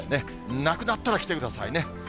なくなったら来てくださいね。